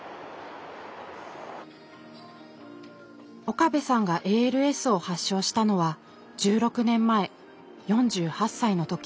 岡部さんがＡＬＳを発症したのは１６年前４８歳の時。